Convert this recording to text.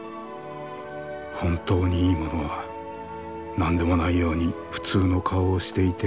本当にいいものは何でもないように普通の顔をしていて無駄がない。